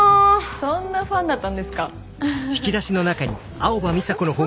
そんなファンだったんですか。